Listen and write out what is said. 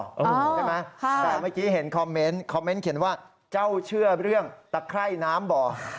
ใช่ไหมแต่เมื่อกี้เห็นคอมเมนต์คอมเมนต์เขียนว่าเจ้าเชื่อเรื่องตะไคร่น้ำบ่อ